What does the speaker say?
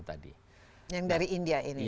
yang dari india ini ya